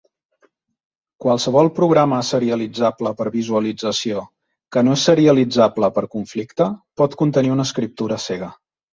Qualsevol programa serialitzable per visualització que no és serialitzable per conflicte pot contenir una escriptura cega.